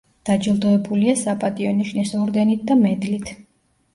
დაჯილდოებულია „საპატიო ნიშნის“ ორდენით და მედლით.